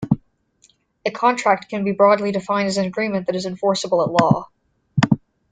A contract can be broadly defined as an agreement that is enforceable at law.